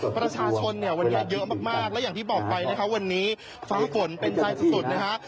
ประชาชนเนี่ยวันนี้เยอะมากและอย่างที่บอกไปนะคะวันนี้ฟ้าฝนเป็นใจสุดนะฮะ